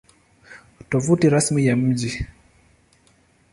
Tovuti Rasmi ya Mji